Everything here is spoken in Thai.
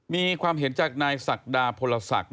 มีความเห็นจากนายศักดาพลศักดิ